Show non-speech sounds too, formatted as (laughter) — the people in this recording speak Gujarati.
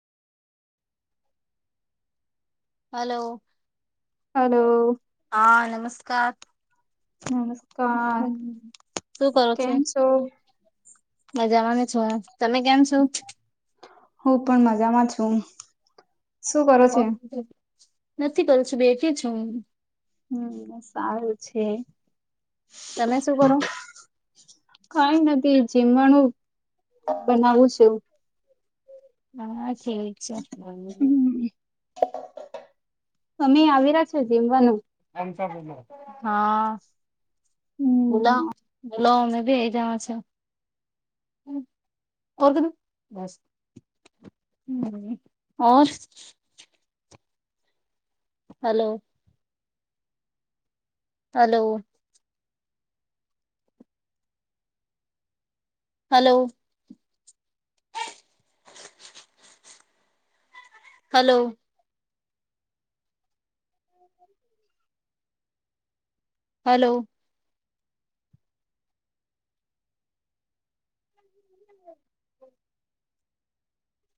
હલો. હલો. હા નમસ્કાર. નમસ્કાર શું કેમ છો. મજાવાને છો તમે કેમ છો. હું પણ મજામાં છું. શું કરો ઓ છે નથી કરલ છું બેઠી છ હું. હમ સારું છે. તમે શું કરો. કઈ નથી જીમણું બનાવું છે એવ. હા છે. હમ અમે આવી રહ્યા છો જમવાનું. હમ હાલા. લ અમે બી એ જા છ. ઓ ત બસ. હમર. Hello. Hello. Hello. Hello. (inaudible) Hello.